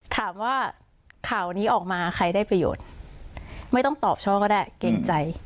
ถามว่าข่าวนี้ออกมาใครได้ประโยชน์ไม่ต้องตอบช่อก็ได้เกรงใจ